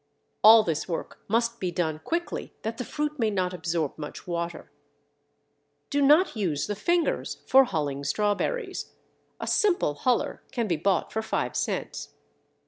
All this work must be done quickly that the fruit may not absorb much water. Do not use the fingers for hulling strawberries. A simple huller can be bought for five cents.